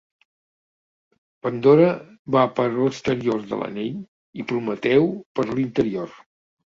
Pandora va per l'exterior de l'anell i Prometeu per l'interior.